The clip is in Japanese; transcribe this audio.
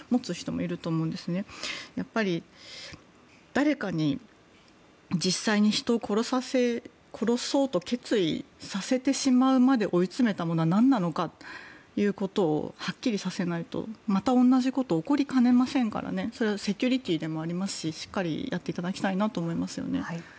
誰かに実際に人を殺そうと決意させてしまうまで追い詰めたものは何なのかということをはっきりさせないとまた同じことが起こりかねませんからそれはセキュリティーでもありますししっかりやっていただきたいと。